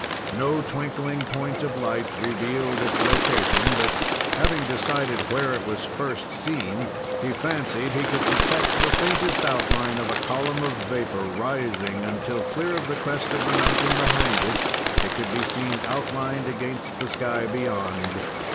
No twinkling point of light revealed its location, but, having decided where it was first seen, he fancied he could detect the faintest outline of a column of vapor rising until, clear of the crest of the mountain behind it, it could be seen outlined against the sky beyond.